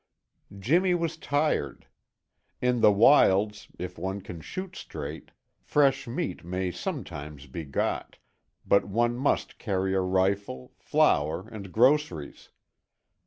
Jimmy was tired. In the wilds, if one can shoot straight, fresh meat may sometimes be got, but one must carry a rifle, flour, and groceries.